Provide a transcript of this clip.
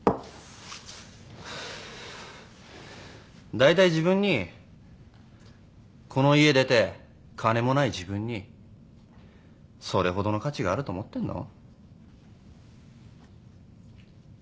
大体自分にこの家出て金もない自分にそれほどの価値があると思ってんの？